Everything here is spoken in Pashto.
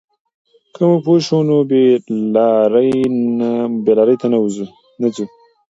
که موږ پوه شو، نو بې لارۍ ته نه ځو.